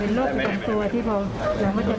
ติดต่อเรื่องอย่างหนุ่ม